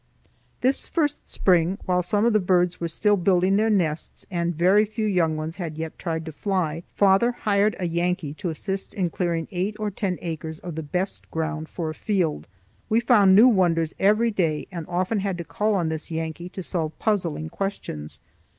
This first spring, while some of the birds were still building their nests and very few young ones had yet tried to fly, father hired a Yankee to assist in clearing eight or ten acres of the best ground for a field. We found new wonders every day and often had to call on this Yankee to solve puzzling questions.